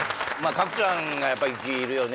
角ちゃんがやっぱ生きるよね